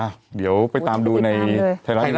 อ่ะเดี๋ยวไปตามดูในไทยรัฐนิวโชว์นะครับโอ้โหต้องไปตามด้วย